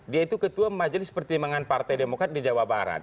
dia itu ketua majelis pertimbangan partai demokrat di jawa barat